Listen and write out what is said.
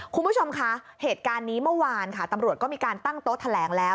คุณผู้ชมคะเหตุการณ์นี้เมื่อวานค่ะตำรวจก็มีการตั้งโต๊ะแถลงแล้ว